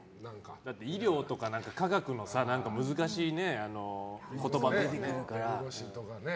だって医療とか科学の難しい言葉が出てくるから。